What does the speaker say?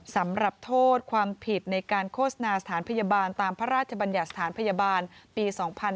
สำหรับโทษความผิดในการโฆษณาสถานพยาบาลตามพระราชบัญญัติสถานพยาบาลปี๒๕๕๙